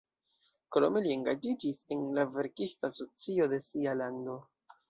Krome li engaĝiĝis en la verkista asocio de sia lando.